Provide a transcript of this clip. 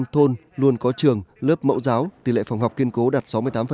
một mươi thôn luôn có trường lớp mẫu giáo tỷ lệ phòng học kiên cố đạt sáu mươi tám